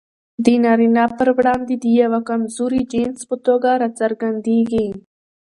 د نارينه پر وړاندې د يوه کمزوري جنس په توګه راڅرګندېږي.